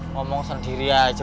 ngomong sendiri aja